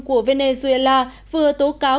của venezuela vừa tố cáo